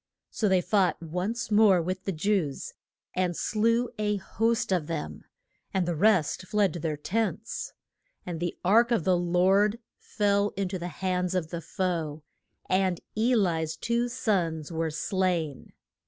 So they fought once more with the Jews, and slew a host of them, and the rest fled to their tents. And the ark of the Lord fell in to the hands of the foe, and E li's two sons were slain.